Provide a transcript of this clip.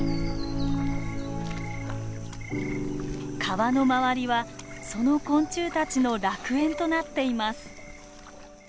川の周りはその昆虫たちの楽園となっています。